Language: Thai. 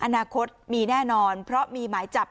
อนาคตมีแน่นอนเพราะมีหมายจับ